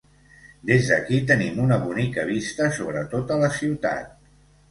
Des d'aquí tenim una bonica vista sobre tota la ciutat.